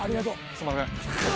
すいません。